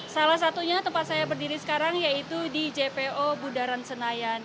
salah satunya tempat saya berdiri sekarang yaitu di jpo bundaran senayan